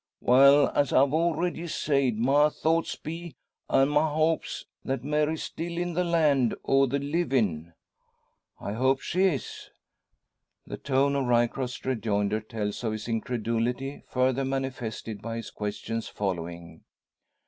"Well, as I've already sayed, my thoughts be, an' my hopes, that Mary's still in the land o' the livin'." "I hope she is." The tone of Ryecroft's rejoinder tells of his incredulity, further manifested by his questions following.